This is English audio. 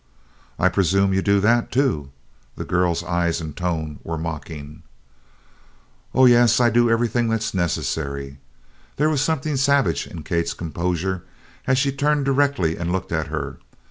"I presume you do that, too?" The girl's eyes and tone were mocking. "Oh, yes, I do everything that's necessary." There was something savage in Kate's composure as she turned directly and looked at her.